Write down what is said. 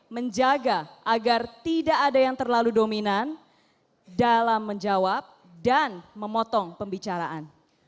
menjaga agar tidak ada yang terlalu dominan dalam menjawab dan memotong pembicaraan